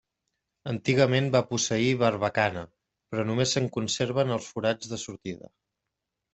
Antigament va posseir barbacana, però només se'n conserven els forats de sortida.